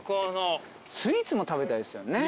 スイーツも食べたいですよね。